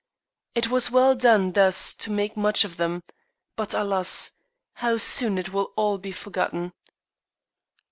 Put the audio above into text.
It was well done thus to make much of them, but alas! how soon it will all be forgotten.